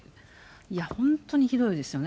いや、本当にひどいですよね。